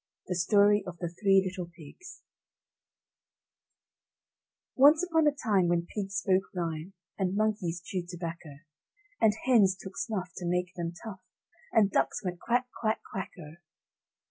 THE STORY OF THE THREE LITTLE PIGS Once upon a time when pigs spoke rhyme And monkeys chewed tobacco, And hens took snuff to make them tough, And ducks went quack, quack, quack, O!